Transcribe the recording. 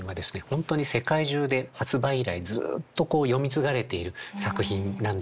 本当に世界中で発売以来ずっと読み継がれている作品なんです。